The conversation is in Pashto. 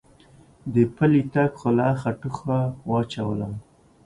دې پلی تګ خو له آخه او ټوخه واچولم.